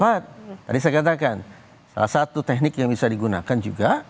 pertama tadi saya katakan salah satu teknik yang bisa digunakan juga